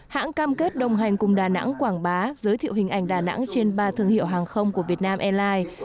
hãng cam kết đồng hành cùng đà nẵng quảng bá giới thiệu hình ảnh đà nẵng trên ba thương hiệu hàng không của việt nam airlines